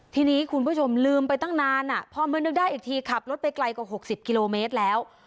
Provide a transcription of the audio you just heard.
ทีนี้คุณผู้ชมลืมไปตั้งนานพอมานึกได้อีกทีขับรถไปไกลกว่า๖๐กิโลเมตรแล้ว